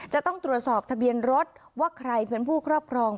จะต้องตรวจสอบทะเบียนรถว่าใครเป็นผู้ครอบครอง